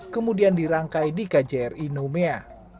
kemudian dirangkai di kjri numea